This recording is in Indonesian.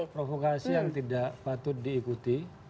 provokasi yang tidak patut diikuti